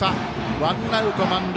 ワンアウト、満塁。